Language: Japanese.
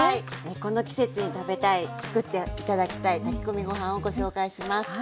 この季節に食べたいつくって頂きたい炊き込みご飯をご紹介します。